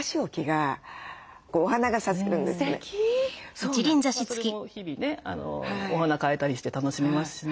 それも日々ねお花替えたりして楽しめますしね。